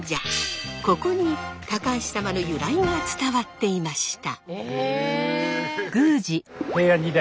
ここに高橋様の由来が伝わっていました。